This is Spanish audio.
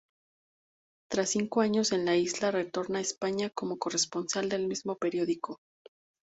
Tras cinco años en la isla, retorna a España como corresponsal del mismo periódico.